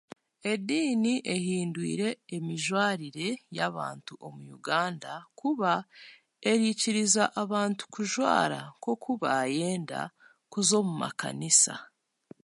Ediini ehindwire emijwarire y'abantu omu Uganda kuba erikiiriza abantu kujwara nk'okubayenda kuza omukaniisa.